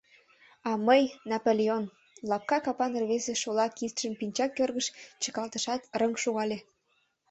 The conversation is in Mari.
— А мый — Наполеон! — лапка капан рвезе шола кидшым пинчак кӧргыш чыкалтышат, рыҥ шогале.